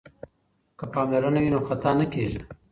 که پاملرنه وي نو خطا نه کیږي.